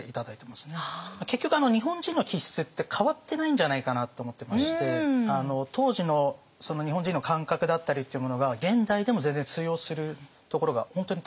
結局日本人の気質って変わってないんじゃないかなって思ってまして当時の日本人の感覚だったりっていうものが現代でも全然通用するところが本当にたくさんあるなと思ってますので。